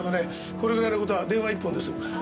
これぐらいの事は電話一本で済むから。